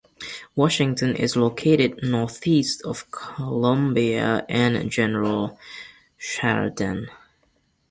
Washington is located northeast of Columbia and General Sheridan.